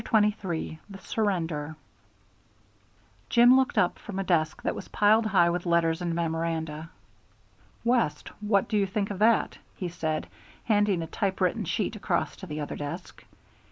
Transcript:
CHAPTER XXIII THE SURRENDER Jim looked up from a desk that was piled high with letters and memoranda. "West, what do think of that?" he said, handing a type written sheet across to the other desk.